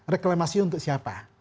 reklamasi untuk siapa